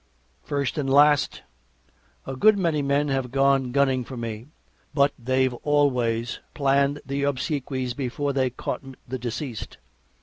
First and last, a good many men have gone gunning for me, but they've always planned the obsequies before they caught the deceased.